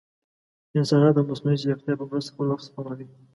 انسانان د مصنوعي ځیرکتیا په مرسته خپل وخت سپموي.